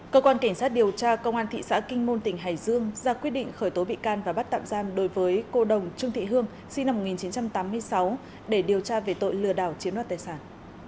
cơ quan cảnh sát điều tra công an thị xã kinh môn tỉnh hải dương ra quyết định khởi tố bị can và bắt tạm giam đối với cô đồng trương thị hương sinh năm một nghìn chín trăm tám mươi sáu để điều tra về tội lừa đảo chiếm đoạt tài sản